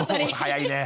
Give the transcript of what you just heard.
早いね。